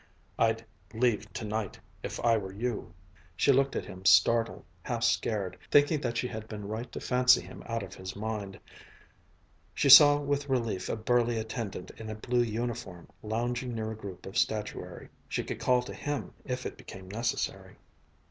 "I'd leave tonight, if I were you." She looked at him startled, half scared, thinking that she had been right to fancy him out of his mind. She saw with relief a burly attendant in a blue uniform lounging near a group of statuary. She could call to him, if it became necessary.